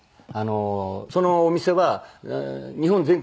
そのお店は日本全国